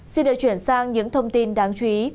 xin được chuyển sang những thông tin đáng chú ý